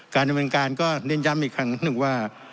การบริการก็เน่นย้ำอีกครั้งนึงว่า